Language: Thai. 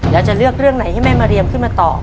แล้วจะเลือกเรื่องไหนให้แม่มาเรียมขึ้นมาต่อ